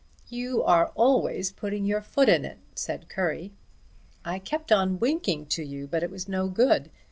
"You are always putting your foot in it," said Currie. "I kept on winking to you but it was no good.